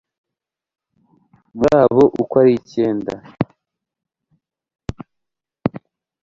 muri abo uko ari icyenda